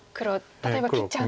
例えば切っちゃうと。